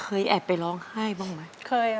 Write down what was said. แอบไปร้องไห้บ้างไหม